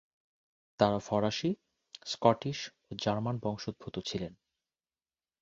তারা ফরাসি, স্কটিশ ও জার্মান বংশোদ্ভূত ছিলেন।